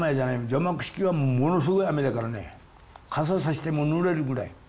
除幕式はものすごい雨だからね傘差してもぬれるぐらい。